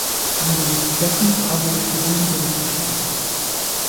Angesichts dessen habe ich für diesen Bericht gestimmt.